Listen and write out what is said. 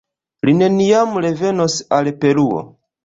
Li neniam revenos al Peruo.